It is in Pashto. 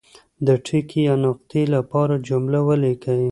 د ټکي یا نقطې لپاره جمله ولیکي.